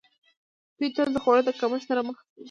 دوی تل د خوړو د کمښت سره مخ وو.